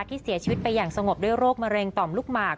ที่เสียชีวิตไปอย่างสงบด้วยโรคมะเร็งต่อมลูกหมาก